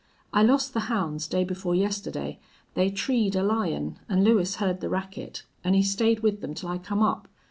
I lost the hounds day before yesterday. They treed a lion an' Lewis heard the racket, an' he stayed with them till I come up.